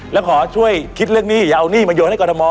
แล้วขอช่วยคิดเรื่องหนี้อย่าเอาหนี้มาโยนให้กรทม